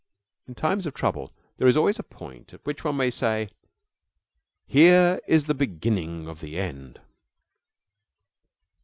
In times of trouble there is always a point at which one may say, "Here is the beginning of the end."